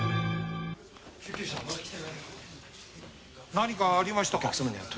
何かありましたか？